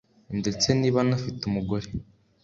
ndetse niba anafite umugore